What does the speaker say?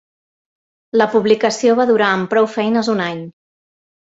La publicació va durar amb prou feines un any.